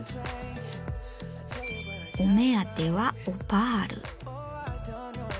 お目当てはオパール。